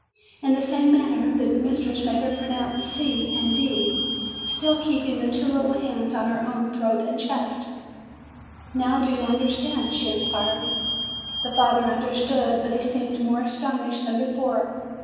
In* the same manner, the mistress made her pro nounce c and d, still keeping the two little hands on her own throat and chest. "Now do you understand?" she inquired. The father understood; but he seemed more as tonished than before.